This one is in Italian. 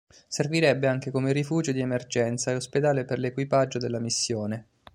Servirebbe anche come rifugio di emergenza e ospedale per l'equipaggio della missione.